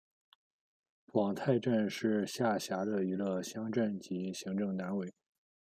广太镇是下辖的一个乡镇级行政单位。